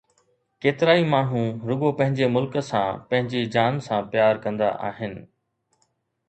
ڪيترائي ماڻھو رڳو پنھنجي ملڪ سان پنھنجي جان سان پيار ڪندا آھن